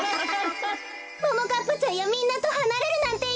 ももかっぱちゃんやみんなとはなれるなんていや！